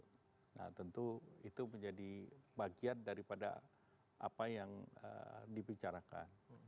nah tentu itu menjadi bagian daripada apa yang dibicarakan